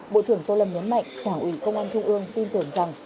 bộ trưởng tô lâm nhấn mạnh đảng ủy công an trung ương tin tưởng rằng